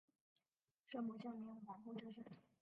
生母孝明皇后郑氏。